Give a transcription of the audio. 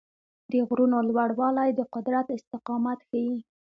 د غرونو لوړوالی د قدرت استقامت ښيي.